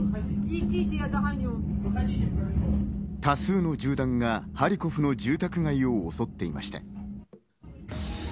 多数の銃弾がハリコフの住宅街を襲っていました。